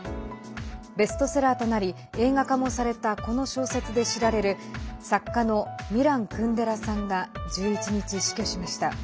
ベストセラーとなり映画化もされたこの小説で知られる作家のミラン・クンデラさんが１１日、死去しました。